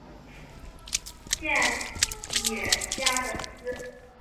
县治加的斯。